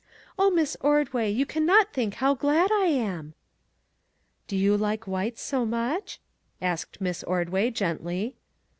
Oh, Miss Ordway, you can not think how glad I am!" " Do you like white so much? " asked Miss Ordway, gently.